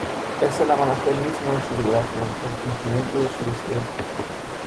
Es el amanecer mismo de su liberación, el cumplimiento de su deseo.